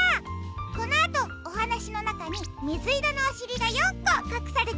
このあとおはなしのなかにみずいろのおしりが４こかくされているよ。